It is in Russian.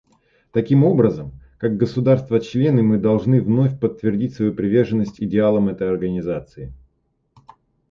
Таким образом, как государства-члены мы должны вновь подтвердить свою приверженность идеалам этой Организации.